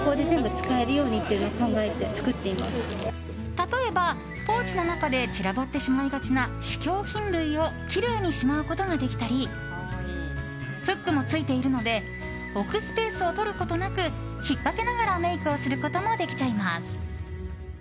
例えば、ポーチの中で散らばってしまいがちな試供品類をきれいにしまうことができたりフックもついているので置くスペースを取ることなく引っかけながらメイクをすることもできちゃいます。